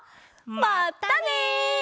まったね！